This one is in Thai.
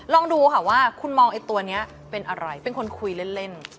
ลองดูค่ะว่าคุณมองไอ้ตัวนี้เป็นอะไรเป็นคนคุยเล่น